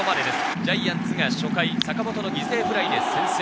ジャイアンツが初回、坂本の犠牲フライで先制。